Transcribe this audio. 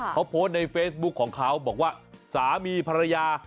เขาโพสต์ในเฟซบุ๊คของเขาบอกว่าสามีภรรยา